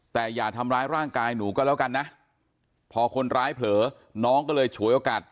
แต่อย่าทำร้ายร่างกายหนูก็แล้วกันนะพอคนร้ายเผลอน้องก็เลยฉวยโอกาส